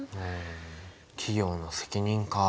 企業の責任か